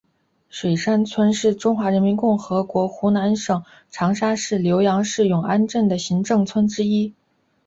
水山村是中华人民共和国湖南省长沙市浏阳市永安镇的行政村之一。